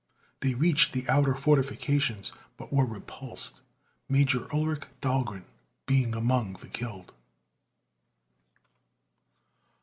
They reached the outer fortifications, but were repulsed, Major Ulric Dahlgren being among the killed.